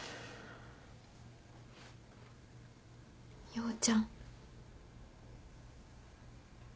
陽ちゃん。